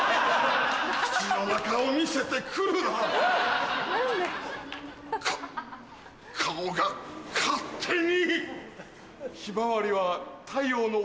口の中を見せてくるな！か顔が勝手に！